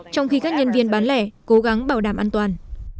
trong khi các nhân viên bán lẻ cố gắng bảo đảm an toàn